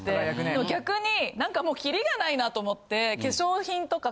でも逆に何かもうキリがないなと思って化粧品とか。